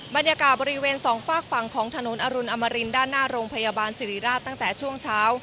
บรรยากาศบริเวณสองฝากฝั่งของถนนอรุณอมรินด้านหน้าโรงพยาบาลสิริราชตั้งแต่ช่วงเช้า